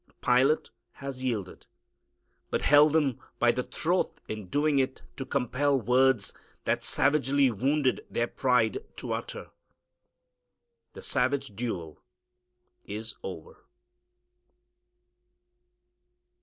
Pilate has yielded, but held them by the throat in doing it to compel words that savagely wounded their pride to utter. The savage duel is over.